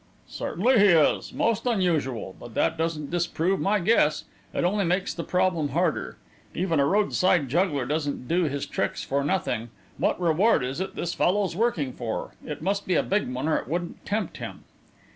"Certainly he is most unusual. But that doesn't disprove my guess; it only makes the problem harder. Even a roadside juggler doesn't do his tricks for nothing what reward is it this fellow's working for? It must be a big one, or it wouldn't tempt him."